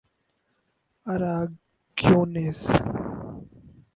Aragonese